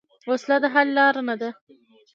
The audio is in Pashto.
وسله د حل لار نه ده